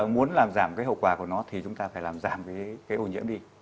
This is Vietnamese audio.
muốn làm giảm hậu quả của nó thì chúng ta phải làm giảm ô nhiễm đi